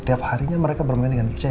tiap harinya mereka bermain dengan kisah